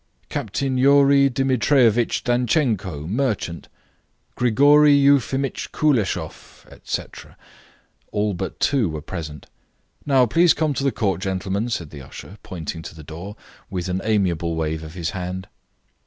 "Captain Youri Demitrievitch Dantchenko, merchant; Grigori Euphimitch Kouleshoff," etc. All but two were present. "Now please to come to the court, gentlemen," said the usher, pointing to the door, with an amiable wave of his hand.